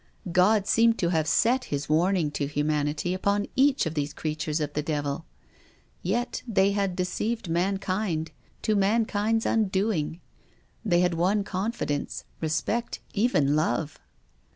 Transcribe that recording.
God seemed to have set his warning to humanity upon each of these creatures of the Devil. Yet they had deceived mankind to mankind's undoing. They had won confidence, respect, even love.